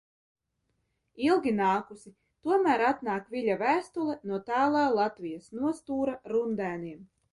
Ilgi nākusi, tomēr atnāk Viļa vēstule no tālā Latvijas nostūra Rundēniem.